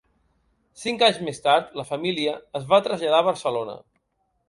Cinc anys més tard, la família es va traslladar a Barcelona.